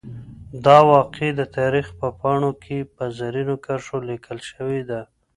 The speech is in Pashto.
دا واقعه د تاریخ په پاڼو کې په زرینو کرښو لیکل شوې ده.